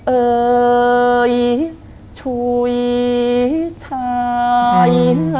เอ่ยช่วยชาย